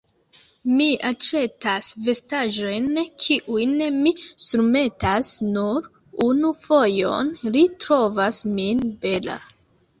Mi aĉetas vestaĵojn kiujn mi surmetas nur unu fojon: li trovas min bela.